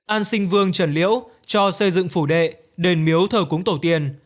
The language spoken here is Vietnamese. an sinh vương trần liễu cho xây dựng phủ đệ đền miếu thờ cúng tổ tiên